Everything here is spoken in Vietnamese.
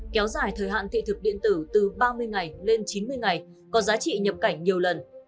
kéo dài thời hạn thị thực điện tử từ ba mươi ngày lên chín mươi ngày có giá trị nhập cảnh nhiều lần